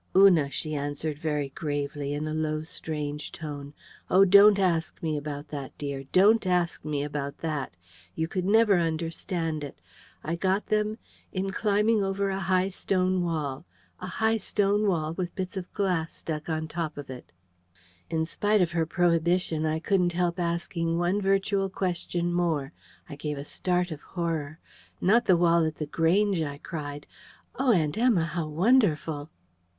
"Una," she answered very gravely, in a low strange tone, "oh, don't ask me about that, dear. Don't ask me about that. You could never understand it.... I got them... in climbing over a high stone wall... a high stone wall, with bits of glass stuck on top of it." In spite of her prohibition, I couldn't help asking one virtual question more. I gave a start of horror: "Not the wall at The Grange!" I cried. "Oh, Aunt Emma, how wonderful!"